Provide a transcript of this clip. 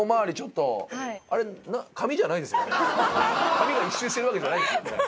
髪が１周してるわけじゃないですよね。